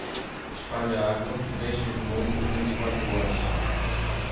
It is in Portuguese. Espalhe a água e deixe-os de molho por vinte e quatro horas.